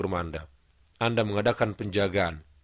rumah anda mengadakan penjagaan